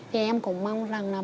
thì em cũng mong rằng là